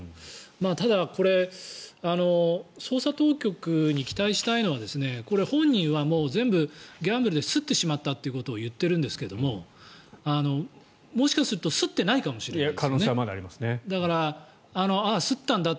ただ、これ捜査当局に期待したいのは本人は全部、ギャンブルですってしまったということを言っているんですがもしかするとすってないかもしれない。